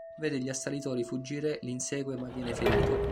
Vede gli assalitori fuggire, li insegue ma viene ferito.